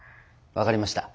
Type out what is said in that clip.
分かりました。